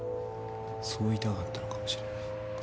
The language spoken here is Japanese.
そう言いたかったのかもしれない。